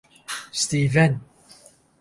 สตีเว่นส์